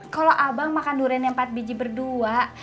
kalau abang makan duriannya empat biji berdua